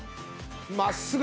真っすぐ。